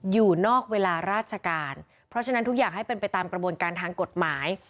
อยู่นอกเวลาราชการเพราะฉะนั้นทุกอย่างให้เป็นไปตามกระบวนการทางกฎหมาย